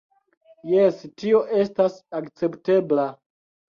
Jes, tio estas akceptebla